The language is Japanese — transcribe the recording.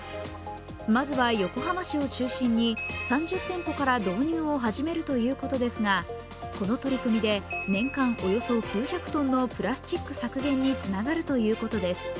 まずは横浜市を中心に３０店舗から導入を始めるということですがこの取組で年間およそ９００ｔのプラスチック削減につながるということです。